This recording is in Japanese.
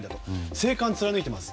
静観を貫いています。